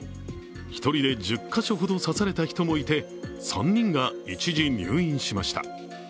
１人で１０か所ほど刺された人もいて、３人が一時入院しました。